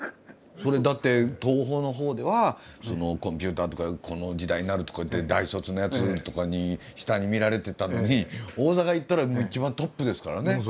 だって東宝のほうでは「コンピューターとかこの時代になる」とかって大卒のやつとかに下に見られてたのに大阪行ったら一番トップですからね。